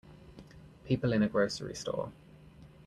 People in a grocery store.